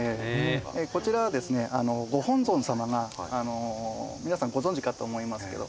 こちらはですねご本尊さまが皆さんご存じかと思いますけど。